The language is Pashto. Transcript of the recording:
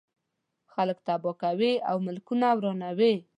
خلک تباه کوي او ملکونه ورانوي.